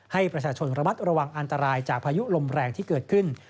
ให้ประชาชนระมัดระวังอันตรายจากพายุลมแรงที่เกิดขึ้น